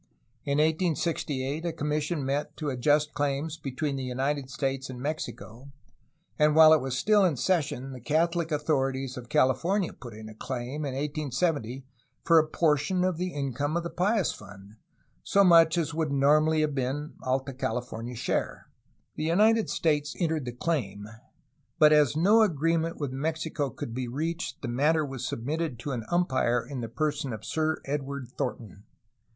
In 1868 a commission met to adjust claims between the United States and Mexico, and while it was still in session the Catholic authorities of California put in a claim, in 1870, for a portion of the income of the Pious Fund, — so much as would nor mally have been Alta California's share. The United States entered the claim, but as no agreement with Mexico could be reached the matter was submitted to an umpire in the person of Sir Edward Thornton.